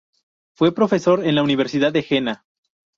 Fue profesor en la Universidad de Jena.